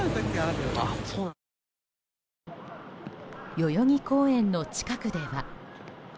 代々木公園の近くでは。